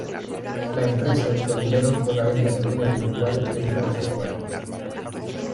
La empresa hizo dinero con la venta de bienes virtuales dentro de sus juegos.